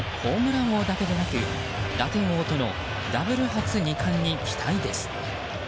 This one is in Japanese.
メジャー日本選手初のホームラン王だけでなく打点王とのダブル初二冠に期待です。